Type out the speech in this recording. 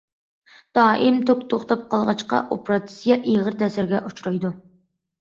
دائىم توك توختاپ قالغاچقا، ئوپېراتسىيە ئېغىر تەسىرگە ئۇچرايدۇ.